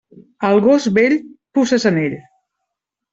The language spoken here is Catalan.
Al gos vell, puces en ell.